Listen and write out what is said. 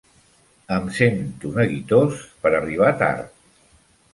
Em sento neguitós per arribar tard.